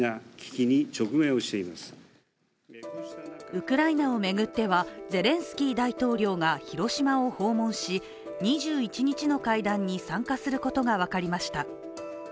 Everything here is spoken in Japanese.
ウクライナを巡っては、ゼレンスキー大統領が広島を訪問し２１日の会談に参加することが分かりました。